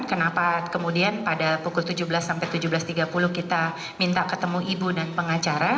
kenapa kemudian pada pukul tujuh belas sampai tujuh belas tiga puluh kita minta ketemu ibu dan pengacara